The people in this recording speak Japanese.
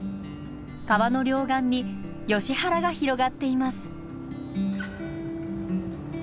川の両岸にヨシ原が広がっています。